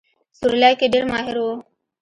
سورلۍ کې ډېر ماهر وو.